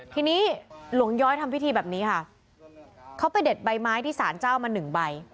ทีนี้หลวงย้อยทำพิธีแบบนี้ค่ะเขาไปเด็ดใบไม้ที่สารเจ้ามาหนึ่งใบ